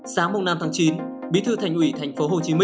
sáng năm tháng chín bí thư thành ủy tp hcm